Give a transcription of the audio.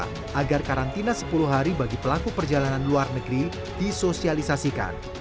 selama beberapa hari bagi pelaku perjalanan luar negeri disosialisasikan